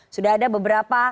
sudah ada beberapa